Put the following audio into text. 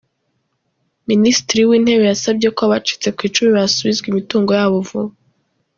Minisitiri w’Intebe yasabye ko abacitse ku icumu basubizwa imitungo yabo vuba